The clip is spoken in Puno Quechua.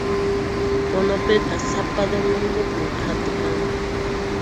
Punupiqa sapa domingopin qhatu kan